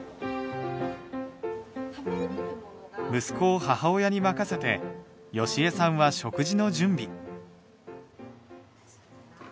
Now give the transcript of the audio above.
息子を母親に任せて好江さんは食事の準備。